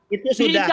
itu sudah clear